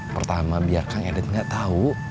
pertama biarkan elit nggak tahu